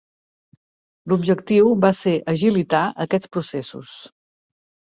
L'objectiu va ser agilitar aquests processos.